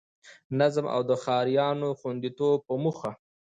نظم او د ښاريانو د خوندیتوب په موخه